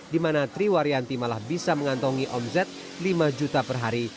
di mana triwaryanti malah bisa mengantongi omzet lima juta per hari